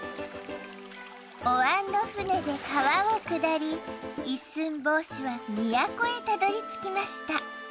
お椀の船で川を下り一寸法師は都へたどりつきました